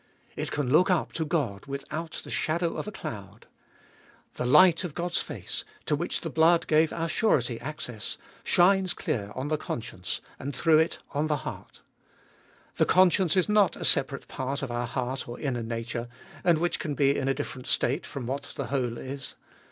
It can look up to God without the shadow of a cloud. The light of God's face, to which the blood gave our Surety access, shines clear on the conscience, and through it on the heart. The conscience is not a separate part of our heart or inner nature, and which can be in a different state from what the whole is.